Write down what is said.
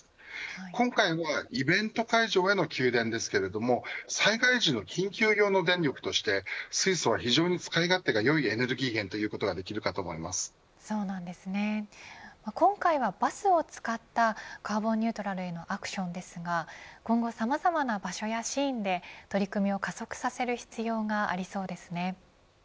今回はイベント会場への給電ですけれども災害時の緊急用の電力として水素は非常に使い勝手がいい今回はバスを使ったカーボンニュートラルへのアクションですが今後、さまざまな場所やシーンで取り組みを加速させる必要がありそうですね。